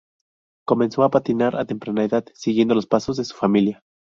Comenzó a patinar a temprana edad siguiendo los pasos de su familia.